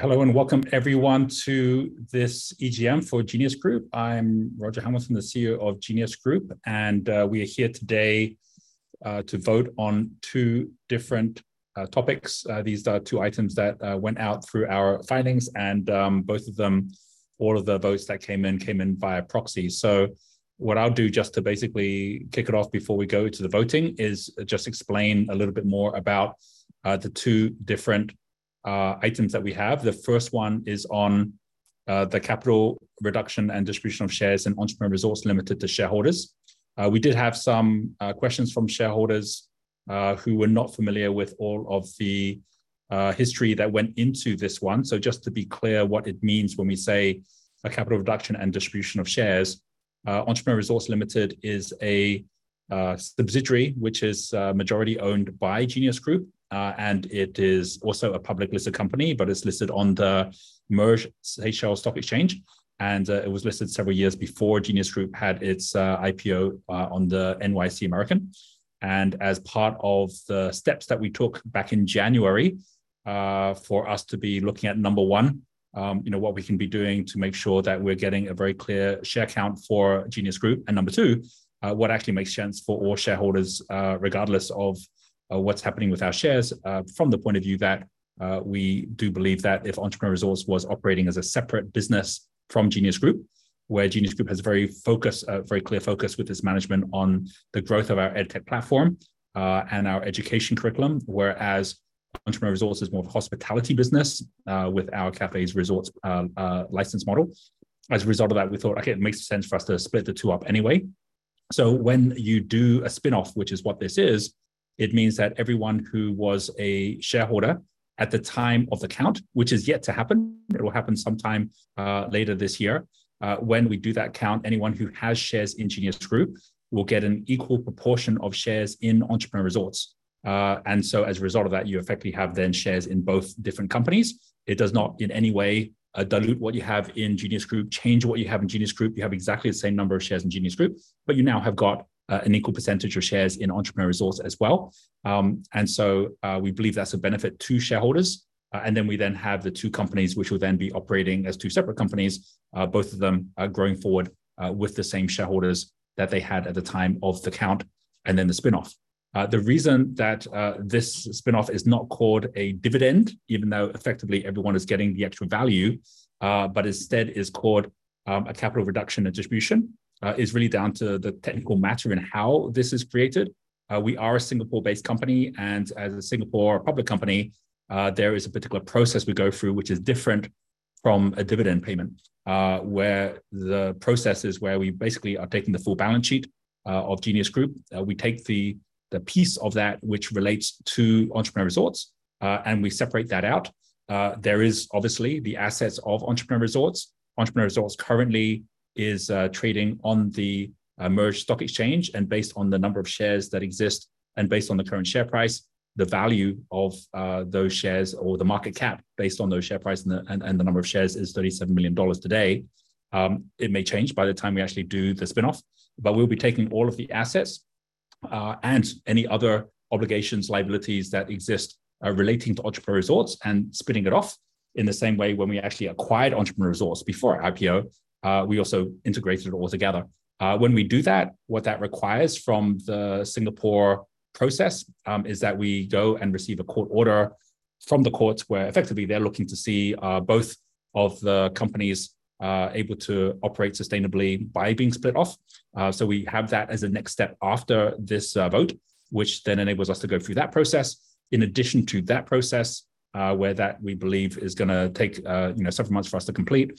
Hello and welcome everyone to this EGM for Genius Group. I'm Roger Hamilton, the CEO of Genius Group, we are here today to vote on two different topics. These are two items that went out through our filings, both of them, all of the votes that came in, came in via proxy. What I'll do just to basically kick it off before we go to the voting is just explain a little bit more about the two different items that we have. The first one is on the capital reduction and distribution of shares in Entrepreneur Resorts Limited to shareholders. We did have some questions from shareholders who were not familiar with all of the history that went into this one. Just to be clear what it means when we say a capital reduction and distribution of shares, Entrepreneur Resorts Limited is a subsidiary which is majority-owned by Genius Group. It is also a public listed company, but it's listed on the MERJ Seychelles Stock Exchange. It was listed several years before Genius Group had its IPO on the NYSE American. As part of the steps that we took back in January, for us to be looking at, number one, you know, what we can be doing to make sure that we're getting a very clear share count for Genius Group, and number two, what actually makes sense for all shareholders, regardless of what's happening with our shares, from the point of view that, we do believe that if Entrepreneur Resorts was operating as a separate business from Genius Group, where Genius Group has a very focused, a very clear focus with its management on the growth of our EdTech platform, and our education curriculum. Entrepreneur Resorts is more of a hospitality business, with our cafes, resorts, license model. As a result of that, we thought, okay, it makes sense for us to split the two up anyway. When you do a spinoff, which is what this is, it means that everyone who was a shareholder at the time of the count, which is yet to happen, it will happen sometime later this year. When we do that count, anyone who has shares in Genius Group will get an equal proportion of shares in Entrepreneur Resorts. As a result of that, you effectively have then shares in both different companies. It does not in any way dilute what you have in Genius Group, change what you have in Genius Group. You have exactly the same number of shares in Genius Group, but you now have got an equal percentage of shares in Entrepreneur Resorts as well. We believe that's a benefit to shareholders. We then have the two companies which will then be operating as two separate companies. Both of them, growing forward, with the same shareholders that they had at the time of the count and then the spinoff. The reason that this spinoff is not called a dividend, even though effectively everyone is getting the extra value, but instead is called a capital reduction and distribution, is really down to the technical matter in how this is created. We are a Singapore-based company, and as a Singapore public company, there is a particular process we go through, which is different from a dividend payment. Where the process is where we basically are taking the full balance sheet of Genius Group. We take the piece of that which relates to Entrepreneur Resorts, and we separate that out. There is obviously the assets of Entrepreneur Resorts. Entrepreneur Resorts currently is trading on the MERJ Stock Exchange, and based on the number of shares that exist and based on the current share price, the value of those shares or the market cap based on those share price and the number of shares is $37 million today. It may change by the time we actually do the spinoff, but we'll be taking all of the assets, and any other obligations, liabilities that exist, relating to Entrepreneur Resorts and splitting it off. In the same way when we actually acquired Entrepreneur Resorts before our IPO, we also integrated it all together. When we do that, what that requires from the Singapore process, is that we go and receive a court order from the courts where effectively they're looking to see, both of the companies able to operate sustainably by being split off. We have that as a next step after this, vote, which then enables us to go through that process. In addition to that process, where that we believe is gonna take, you know, several months for us to complete,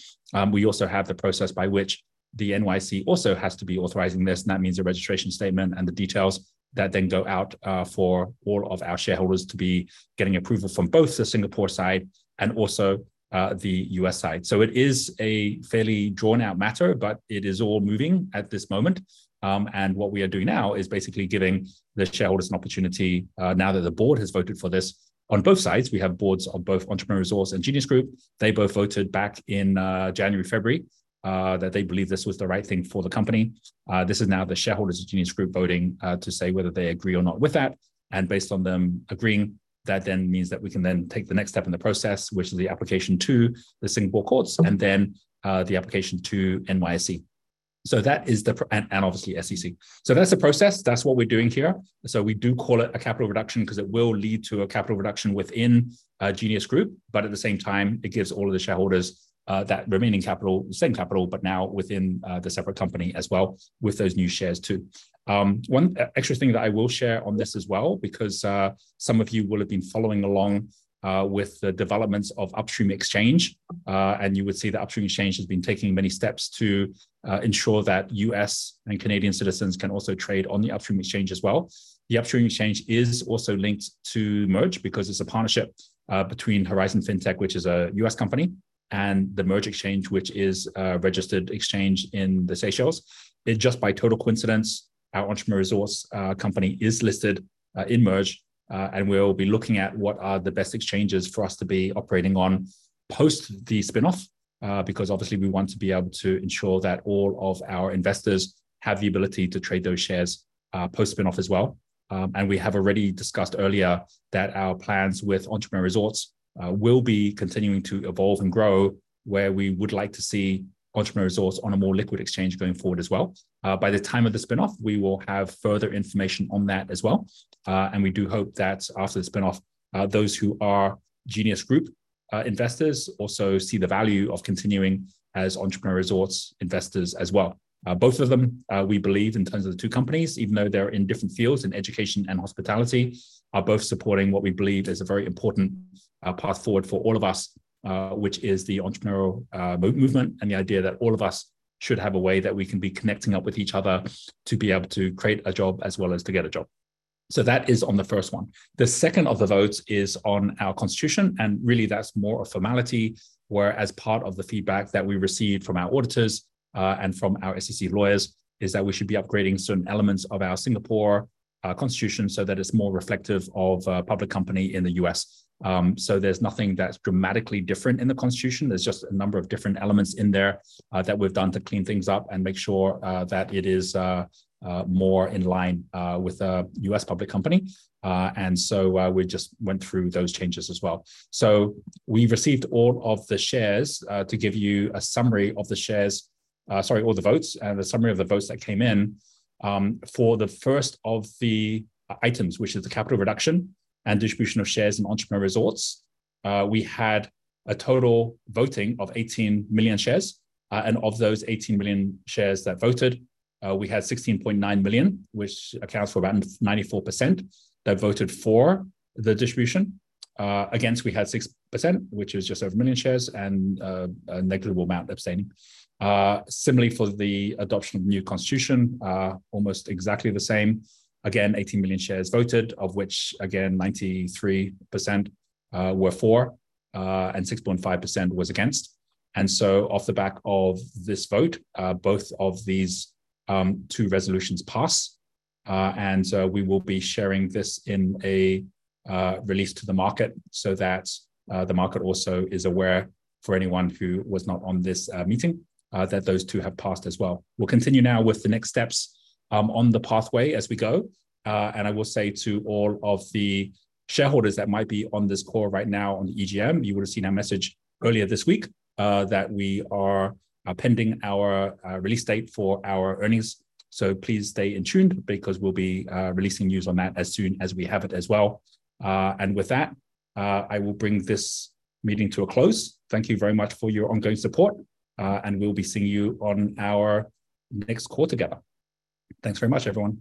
we also have the process by which the NYSE also has to be authorizing this, and that means a registration statement and the details that then go out, for all of our shareholders to be getting approval from both the Singapore side and also, the U.S. side. It is a fairly drawn-out matter, but it is all moving at this moment. What we are doing now is basically giving the shareholders an opportunity, now that the board has voted for this on both sides. We have boards of both Entrepreneur Resorts and Genius Group. They both voted back in January, February, that they believe this was the right thing for the company. This is now the shareholders of Genius Group voting to say whether they agree or not with that. Based on them agreeing, that then means that we can then take the next step in the process, which is the application to the Singapore courts and then the application to NYSE. That is obviously SEC. That's the process. That's what we're doing here. We do call it a capital reduction because it will lead to a capital reduction within Genius Group, but at the same time, it gives all of the shareholders that remaining capital, the same capital, but now within the separate company as well with those new shares too. One extra thing that I will share on this as well, because some of you will have been following along with the developments of Upstream Exchange, and you would see the Upstream Exchange has been taking many steps to ensure that U.S. and Canadian citizens can also trade on the Upstream Exchange as well. The Upstream Exchange is also linked to MERJ because it's a partnership between Horizon Fintex, which is a U.S. company, and the MERJ Exchange, which is a registered exchange in the Seychelles. Just by total coincidence, our Entrepreneur Resorts company is listed in MERJ. We'll be looking at what are the best exchanges for us to be operating on post the spinoff, because obviously we want to be able to ensure that all of our investors have the ability to trade those shares post-spinoff as well. We have already discussed earlier that our plans with Entrepreneur Resorts will be continuing to evolve and grow, where we would like to see Entrepreneur Resorts on a more liquid exchange going forward as well. By the time of the spinoff, we will have further information on that as well. We do hope that after the spinoff, those who are Genius Group investors also see the value of continuing as Entrepreneur Resorts investors as well. Both of them, we believe in terms of the two companies, even though they're in different fields, in education and hospitality, are both supporting what we believe is a very important path forward for all of us, which is the entrepreneurial movement and the idea that all of us should have a way that we can be connecting up with each other to be able to create a job as well as to get a job. That is on the first one. The second of the votes is on our constitution, and really that's more a formality where as part of the feedback that we received from our auditors, and from our SEC lawyers, is that we should be upgrading certain elements of our Singapore constitution, so that it's more reflective of a public company in the U.S. There's nothing that's dramatically different in the constitution, there's just a number of different elements in there that we've done to clean things up and make sure that it is more in line with a U.S. public company. We just went through those changes as well. We've received all of the shares. Sorry, all the votes, the summary of the votes that came in for the first of the items, which is the capital reduction and distribution of shares in Entrepreneur Resorts. We had a total voting of 18 million shares, of those 18 million shares that voted, we had 16.9 million shares, which accounts for around 94% that voted for the distribution. Against, we had 6%, which is just over 1 million shares, a negligible amount abstaining. Similarly for the adoption of new constitution, almost exactly the same. 18 million shares voted, of which again, 93% were for, and 6.5% was against. Off the back of this vote, both of these two resolutions pass. We will be sharing this in a release to the market so that the market also is aware for anyone who was not on this meeting, that those two have passed as well. We'll continue now with the next steps on the pathway as we go. I will say to all of the shareholders that might be on this call right now on the EGM, you would've seen our message earlier this week, that we are appending our release date for our earnings. Please stay tuned because we'll be releasing news on that as soon as we have it as well. With that, I will bring this meeting to a close. Thank you very much for your ongoing support, and we'll be seeing you on our next call together. Thanks very much, everyone.